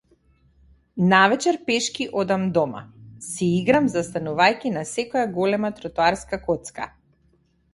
Навечер пешки одам дома, си играм застанувајќи на секоја голема тротоарска коцка.